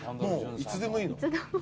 もういつでもいいの？